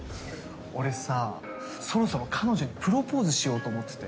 俺さそろそろ彼女にプロポーズしようと思ってて。